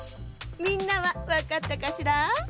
みんなはわかったかしら？